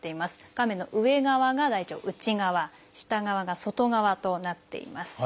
画面の上側が大腸の内側下側が外側となっています。